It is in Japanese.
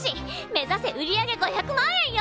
目指せ売り上げ５００万円よ！